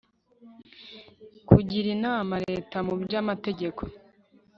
kugira inama Leta mu by amategeko